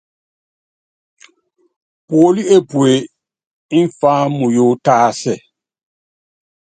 Puólí epue ḿfá muyu tásɛ.